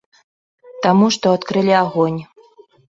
Таму што адкрылі агонь.